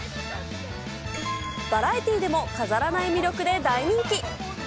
バラエティーでも飾らない魅力で大人気。